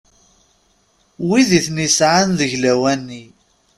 Win iten-isɛan deg lawan-nni.